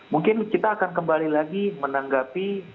mungkin kita akan kembali lagi menanggapi